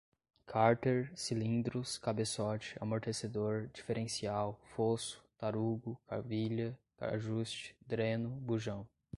cárter, cilindros, cabeçote, amortecedor, diferencial, fosso, tarugo, cavilha, ajuste, dreno, bujão